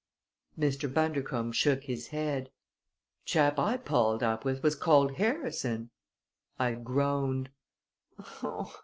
Mr. Bundercombe shook his head. "Chap I palled up with was called Harrison." I groaned.